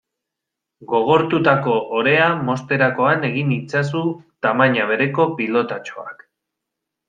Gogortutako orea mozterakoan egin itzazu tamaina bereko pilotatxoak.